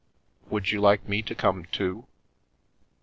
"Would you like me to come too?